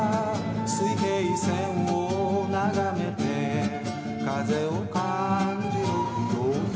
「水平線を眺めて」「風を感じる漂々」